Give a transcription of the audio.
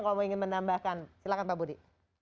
kalau mau ingin menambahkan silakan pak budi